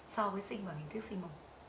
so với sinh bằng hình thức sinh mổ